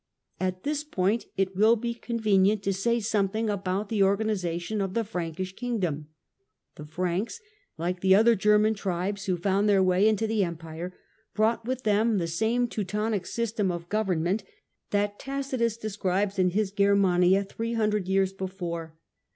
At this point it will be convenient to say something Frankish about the organisation of the Frankish kingdom. The^ nisa ' Franks, like the other German tribes who found their way into the Empire, brought with them the same Teu tonic system of government that Tacitus describes in his Germania three hundred years before.